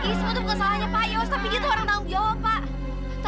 ini semua tuh bukan salahnya pak yos tapi gitu orang tahu jawab pak